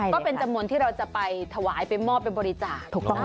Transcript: ก็เป็นจำนวนที่เราจะไปถวายไปมอบไปบริจาคถูกต้อง